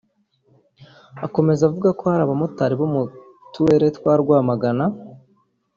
Akomeza avuga ko hari abamotari bo mu turere twa Rwamagana